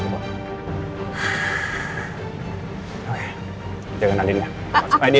jangan nandin ya